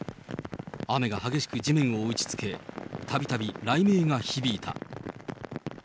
雨が激しく地面を打ちつけ、たびたび雷鳴が響いた。